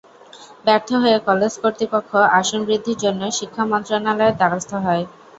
ব্যর্থ হয়ে কলেজ কর্তৃপক্ষ আসন বৃদ্ধির জন্য শিক্ষা মন্ত্রণালয়ের দ্বারস্থ হয়।